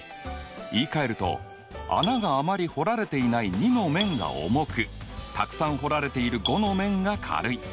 言いかえると穴があまり掘られていない２の面が重くたくさん掘られている５の面が軽い。